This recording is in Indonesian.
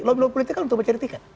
lo belum politik kan untuk mencari tiket